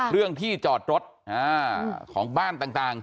เรื่องที่จอดรถของบ้านต่าง